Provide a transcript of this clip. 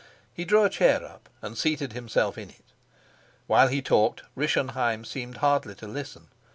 He drew a chair up and seated himself in it. While he talked Rischenheim seemed hardly to listen.